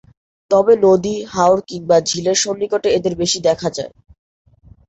তবে নদী, হাওর কিংবা ঝিলের সন্নিকটে এদের বেশি দেখা যায়।